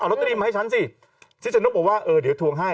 ลอตเตอรี่มาให้ฉันสิชิชนกบอกว่าเออเดี๋ยวทวงให้